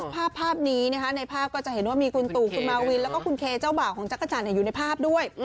ภาพนี้ในภาพก็จะเห็นว่ามีคุณตู่คุณมาวินแล้วก็คุณเคเจ้าบ่าวของจักรจันทร์อยู่ในภาพด้วย